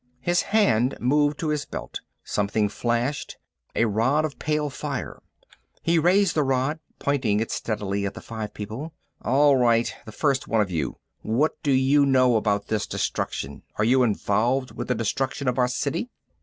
His hand moved to his belt. Something flashed, a rod of pale fire. He raised the rod, pointing it steadily at the five people. "All right, the first one of you. What do you know about this destruction? Are you involved with the destruction of our city?"